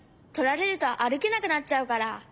とられるとあるけなくなっちゃうから。